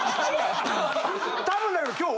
多分だけど今日。